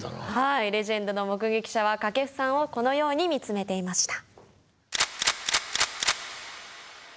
レジェンドの目撃者は掛布さんをこのように見つめていました。